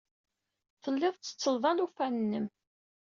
Telliḍ tettettleḍ alufan-nnem.